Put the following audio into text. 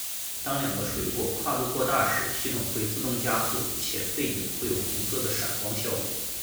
当两个水果跨度过大时系统会自动加速且背景会有红色的闪光效果。